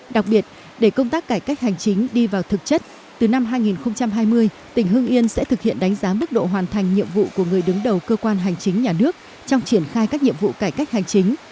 đặc biệt để công tác cải cách hành chính đi vào thực chất từ năm hai nghìn hai mươi tỉnh hưng yên sẽ thực hiện đánh giá mức độ hoàn thành nhiệm vụ của người đứng đầu cơ quan hành chính nhà nước trong triển khai các nhiệm vụ cải cách hành chính